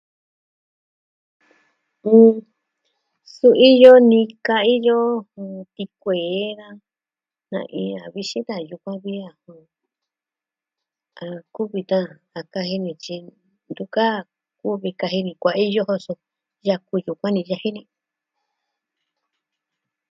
Mm su iyo nika, iyo jɨn tikuee da iin a vixin da yukuan vi a kuvi da a kaji ni tyi ntu ka kuvi kaji ni kuaiyo so yaku yukuan ni yaji ni.